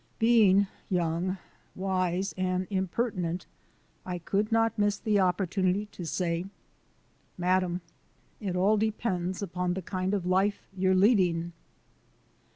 Being young, wise, and impertinent, I could not miss the opportunity to say: "Madam, it all depends upon the kind of life you're leading."